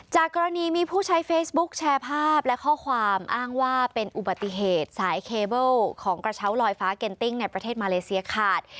กรณีมีผู้ใช้เฟซบุ๊คแชร์ภาพและข้อความอ้างว่าเป็นอุบัติเหตุสายเคเบิลของกระเช้าลอยฟ้าเก็นติ้งในประเทศมาเลเซียขาด